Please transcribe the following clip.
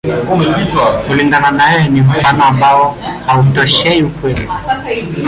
Kulingana na yeye, ni mfano ambao hautoshei ukweli.